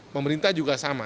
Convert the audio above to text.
pemerintah juga sama